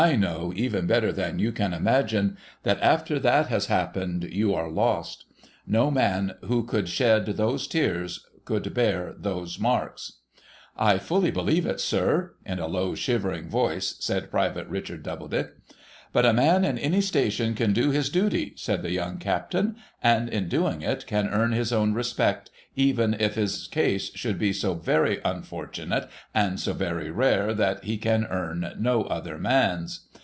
know even better than you can imagine, that, after that has happened, you are lost. No man who could shed those tears could bear those marks,' ' I fully believe it, sir,' in a low, shivering voice said Private Richard Doubledick, ' But a man in any station can do his duty/ said the young Captain, ' and, in doing it, can earn his own respect, even if his case should be so very unfortunate and so very rare that he can earn no other man's.